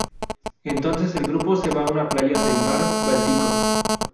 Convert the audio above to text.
Entonces el grupo se va a una playa del mar Báltico.